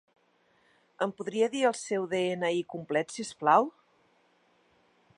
Em podria dir el seu de-ena-i complet, si us plau?